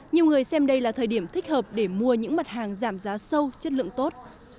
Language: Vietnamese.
nhiều người xem đây là thời điểm thích hợp để mua những mặt hàng giảm giá sâu chất lượng tốt